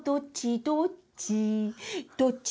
「どっちどっち？」